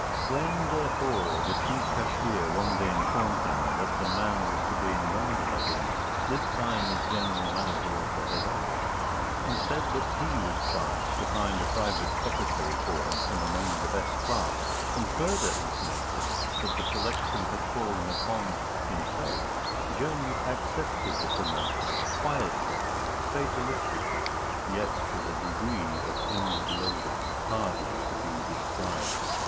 When, therefore, the chief cashier one day informed him that the man was to be in London again this time as General Manager of the head office and said that he was charged to find a private secretary for him from among the best clerks, and further intimated that the selection had fallen upon himself, Jones accepted the promotion quietly, fatalistically, yet with a degree of inward loathing hardly to be described.